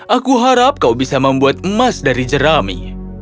aku harap kau bisa membuat emas dari jerami